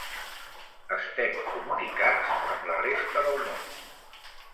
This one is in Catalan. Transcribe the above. Estem comunicats amb la resta del món.